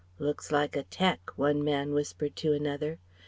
"Look's like a 'tec,'" one man whispered to another.